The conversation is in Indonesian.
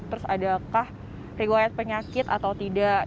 terus adakah riwayat penyakit atau tidak